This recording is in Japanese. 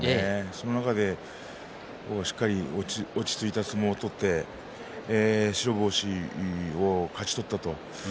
その中でしっかりと落ち着いた相撲を取って白星を勝ち取ったと。